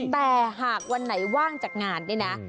แต่หากวันไหนว่างจากงานนี่นะ